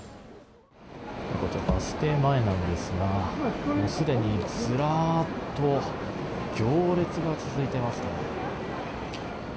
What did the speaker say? バス停前なんですがすでに、ずらっと行列が続いていますね。